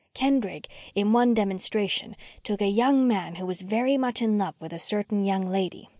"Kendrick, in one demonstration, took a young man who was very much in love with a certain young lady.